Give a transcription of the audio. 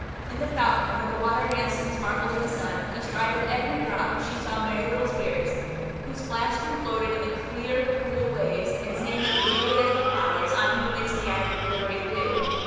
In the fountain, where the water danced and sparkled in the sun, astride of every drop she saw merry little spirits, who plashed and floated in the clear, cool waves, and sang as gayly as the flowers, on whom they scattered glittering dew.